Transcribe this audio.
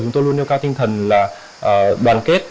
chúng tôi luôn nêu cao tinh thần là đoàn kết